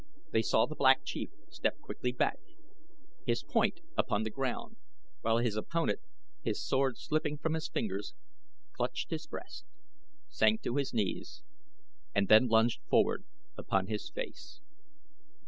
They saw the Black Chief step quickly back, his point upon the ground, while his opponent, his sword slipping from his fingers, clutched his breast, sank to his knees and then lunged forward upon his face.